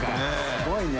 すごいね。